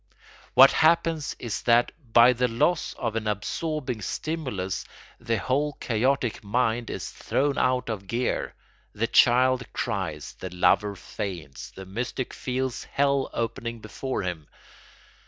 What happens is that by the loss of an absorbing stimulus the whole chaotic mind is thrown out of gear; the child cries, the lover faints, the mystic feels hell opening before him.